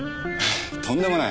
とんでもない。